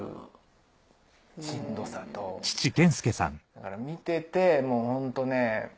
だから見ててもうホントね。